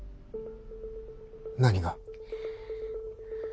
何が？